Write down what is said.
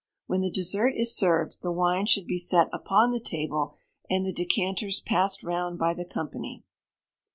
When the dessert is served, the wine should be set upon the table, and the decanters passed round by the company.